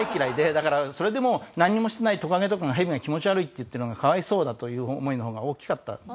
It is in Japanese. だからそれでもなんにもしてないトカゲとかヘビが気持ち悪いって言ってるのが可哀想だという思いの方が大きかったんですよ。